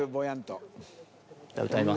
じゃあ歌います。